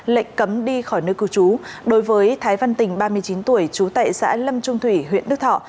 lệnh cấm đi khỏi nơi cứu chú đối với thái văn tình ba mươi chín tuổi chú tại xã lâm trung thủy huyện đức thọ